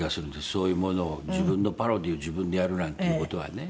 そういうものを自分のパロディーを自分でやるなんていう事はね。